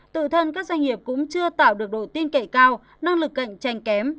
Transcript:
tự thân các doanh nghiệp cũng chưa tạo được độ tin cậy cao năng lực cạnh tranh kém